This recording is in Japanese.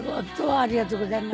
ありがとうございます。